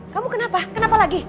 kamu kenapa kenapa lagi